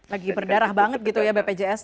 lagi berdarah banget gitu ya bpjs